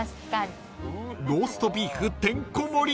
［ローストビーフてんこ盛り］